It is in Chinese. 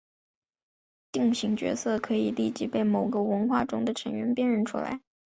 定型角色可以立即被某个文化中的成员辨认出来。